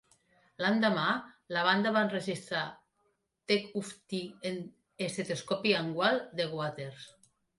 L'endemà, la banda va enregistrar "Take Up Thy Estetoscopi and Walk" de Waters.